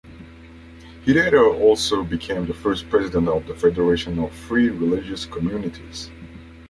He later also became the first president of the Federation of Free Religious Communities.